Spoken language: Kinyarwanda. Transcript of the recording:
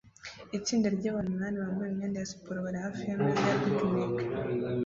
Itsinda ryabantu umunani bambaye imyenda ya siporo bari hafi yameza ya picnic